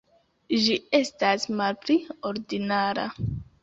Ĝi estas malpli ordinara.